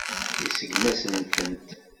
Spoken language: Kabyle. Iseggem-asen-tent.